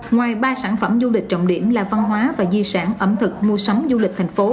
ngoài ba sản phẩm du lịch trọng điểm là văn hóa và di sản ẩm thực mua sắm du lịch thành phố